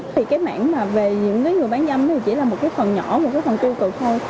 thì cái mảng mà về những cái người bán dâm thì chỉ là một cái phần nhỏ một cái phần tiêu cực thôi